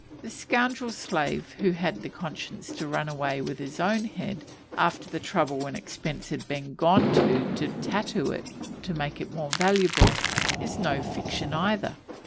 The scoundrel slave who had the conscience to run away with his own head after the trouble and expense had been gone to to tattoo it to make it more valuable, is no fiction either.